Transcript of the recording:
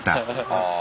ああ。